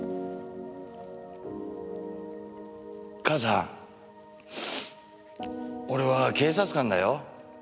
母さん俺は警察官だよ。